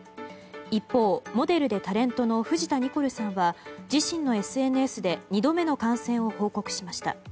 一方、モデルでタレントの藤田ニコルさんは自身のＳＮＳで二度目の感染を報告しました。